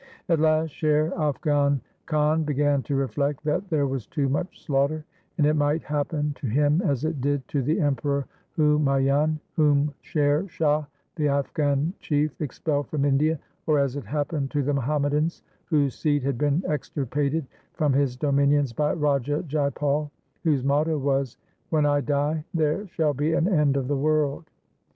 At last Sher Afghan Khan began to reflect that there was too much slaughter, and it might happen to him as it did to the Emperor Humayun, whom Sher Shah, the Afghan chief, expelled from India, or as it happened to the Muhammadans whose seed had been extirpated from his dominions by Raja Jaipal, whose motto was, ' When I die there shall be an end of the world.'